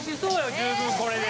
十分これで。